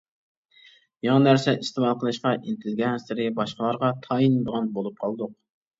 يېڭى نەرسە ئىستېمال قىلىشقا ئىنتىلگەنسېرى باشقىلارغا تايىنىدىغان بولۇپ قالدۇق.